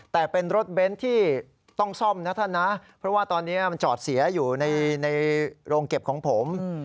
แต่เป็นรถเบนท์ที่ต้องซ่อมนะท่านนะเพราะว่าตอนนี้มันจอดเสียอยู่ในโรงเก็บของผม